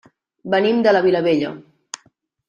Venim de la Vilavella.